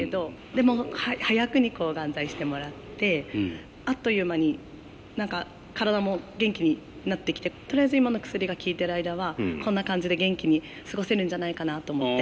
でも早くに抗がん剤してもらってあっという間に何か体も元気になってきてとりあえず今の薬が効いてる間はこんな感じで元気に過ごせるんじゃないかなと思って。